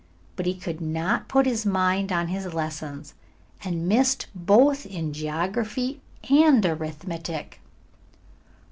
But he could not put his mind on his lessons and missed both in geography and arithmetic.